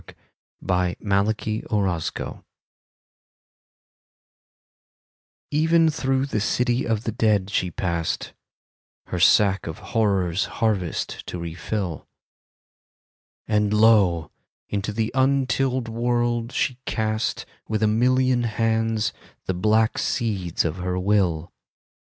16 THE CATACLYSM Even through the City of the Dead she passed, Her sack of Horror's harvest to refill; And lo, into the untilled world she cast, With a million hands, the black seeds of her will.